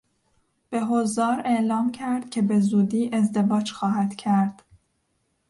به حضار اعلام کرد که بزودی ازدواج خواهد کرد.